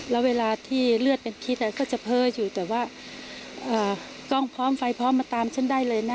แล้วเวลาที่เลือดเป็นพิษก็จะเพ้ออยู่แต่ว่ากล้องพร้อมไฟพร้อมมาตามฉันได้เลยนะ